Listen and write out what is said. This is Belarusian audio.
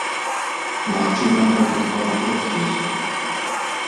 Магчыма, гэта дапамагло б следству!